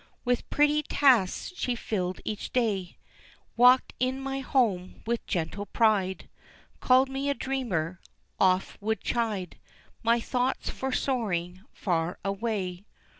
With pretty tasks she filled each day, Walked in my home with gentle pride, Called me a dreamer, oft would chide My thoughts for soaring far away.